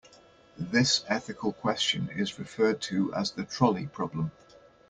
This ethical question is referred to as the trolley problem.